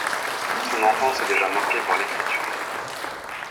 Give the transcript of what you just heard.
Son enfance est déjà marquée par l'écriture.